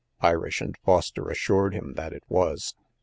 Irish and Foster assured him that it was.